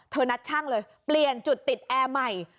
นัดช่างเลยเปลี่ยนจุดติดแอร์ใหม่